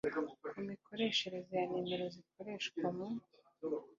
ku mikoreshereze ya nomero zikoreshwa mu